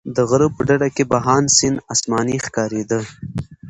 د غره په ډډه کې بهاند سیند اسماني ښکارېده.